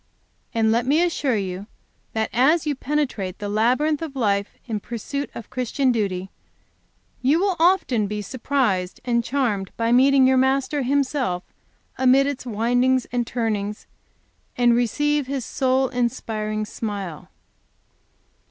And let me assure you that as you penetrate the labyrinth of life in pursuit of Christian duty, you will often be surprised and charmed by meeting your Master Himself amid its windings and turnings, and receive His soul inspiring smile.